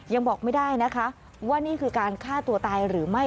ยังบอกไม่ได้นะคะว่านี่คือการฆ่าตัวตายหรือไม่